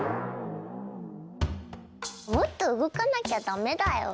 もっと動かなきゃダメだよ！